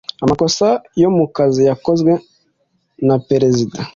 amakosa yo mu kazi yakozwe na perezida